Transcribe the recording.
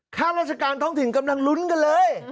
ข้าราชการท้องถิ่นกำลังลุ้นกันเลย